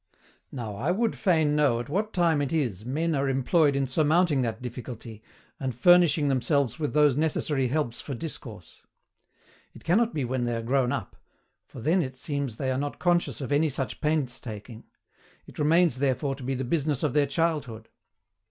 Now, I would fain know at what time it is men are employed in surmounting that difficulty, and furnishing themselves with those necessary helps for discourse. It cannot be when they are grown up, for then it seems they are not conscious of any such painstaking; it remains therefore to be the business of their childhood.